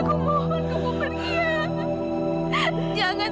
kamu ini sudah sakit